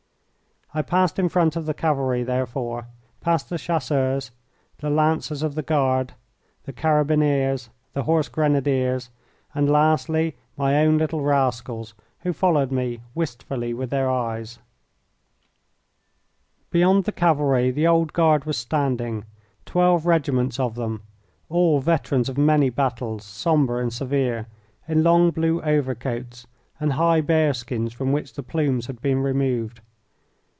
I passed in front of the cavalry, therefore, past the Chasseurs, the Lancers of the Guard, the Carabineers, the Horse Grenadiers, and, lastly, my own little rascals, who followed me wistfully with their eyes. Beyond the cavalry the Old Guard was standing, twelve regiments of them, all veterans of many battles, sombre and severe, in long blue overcoats and high bearskins from which the plumes had been removed.